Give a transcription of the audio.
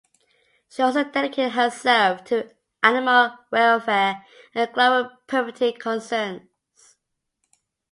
She also dedicated herself to animal welfare and global poverty concerns.